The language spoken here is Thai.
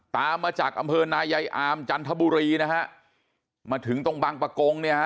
ตามมาจากอำเภอนายายอามจันทบุรีนะฮะมาถึงตรงบางประกงเนี่ยฮะ